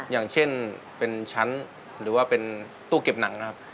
อย่างเช่นเป็นชั้นหรือว่าเป็นตู้เก็บหนังนะครับ